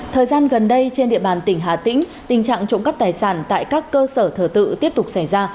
thời gian gần đây trên địa bàn tỉnh hà tĩnh tình trạng trộm cắp tài sản tại các cơ sở thờ tự tiếp tục xảy ra